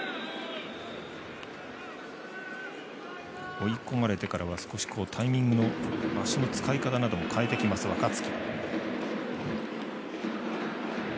追い込まれてからは少しタイミングの足の使い方なども変えてきます、若月。